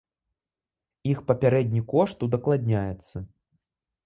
Іх папярэдні кошт удакладняецца.